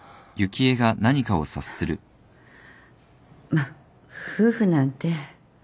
まっ夫婦なんて